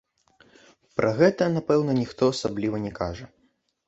Пра гэта, напэўна, ніхто асабліва не кажа.